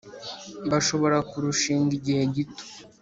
bashobora kurushinga igihe gito